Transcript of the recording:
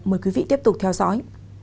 mời quý vị tiếp tục theo dõi